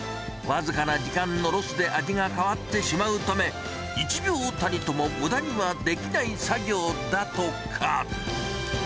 僅かな時間のロスで味が変わってしまうため、一秒たりともむだにはできない作業だとか。